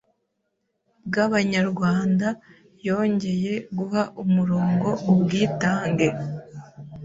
bw’Abanyarwanda yongeye guha umurongo Ubwitange